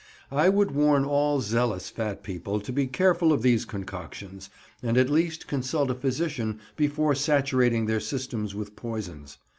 I would warn all zealous fat people to be careful of these concoctions, and at least consult a physician before saturating their systems with poisons.